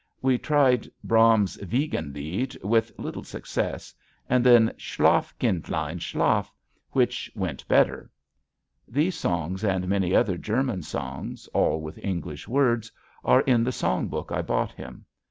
We tried Brahms's "Wiegenlied," with little success, and then "Schlaf, Kindlein, Schlaf," which went better. These songs and many other German songs, all with English words, are in the song book I bought him.